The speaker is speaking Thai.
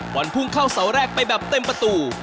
บอลพุ่งเข้าเสาแรกไปแบบเต็มประตู